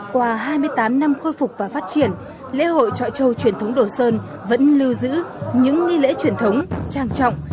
qua hai mươi tám năm khôi phục và phát triển lễ hội trọi trâu truyền thống đồ sơn vẫn lưu giữ những nghi lễ truyền thống trang trọng